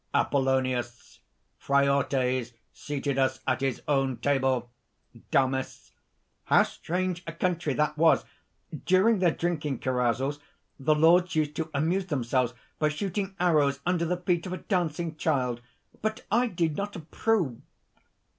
APOLLONIUS. "Phraortes seated us at his own table." DAMIS. "How strange a country that was! During their drinking carousels, the lords used to amuse themselves by shooting arrows under the feet of a dancing child. But I do not approve...."